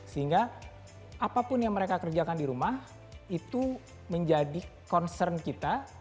sehingga apapun yang mereka kerjakan di rumah itu menjadi concern kita